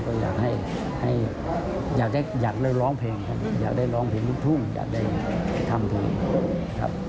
ก็อยากให้อยากได้ร้องเพลงครับอยากได้ร้องเพลงลูกทุ่งอยากได้ทำเพลงครับ